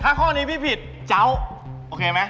ถ้าข้อนี้พี่ผิดเจ้าโอเคไหม